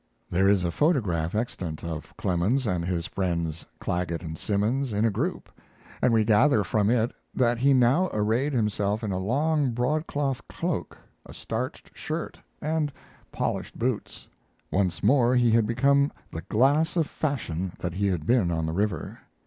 There is a photograph extant of Clemens and his friends Clagget and Simmons in a group, and we gather from it that he now arrayed himself in a long broadcloth cloak, a starched shirt, and polished boots. Once more he had become the glass of fashion that he had been on the river.